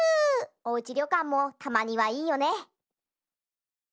おうちりょかんもたまにはいいよね。